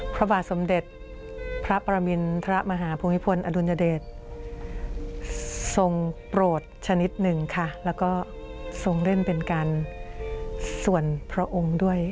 พระอุณหเดชทรงโปรดชนิดหนึ่งค่ะและก็ทรงเล่นเป็นการส่วนพระองค์ด้วย